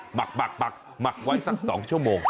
หมักหมักไว้สัก๒ชั่วโมง